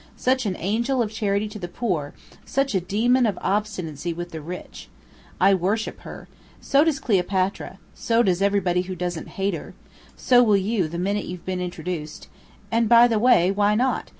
Such an angel of charity to the poor, such a demon of obstinacy with the rich! I worship her. So does Cleopatra. So does everybody who doesn't hate her. So will you the minute you've been introduced. And by the way, why not?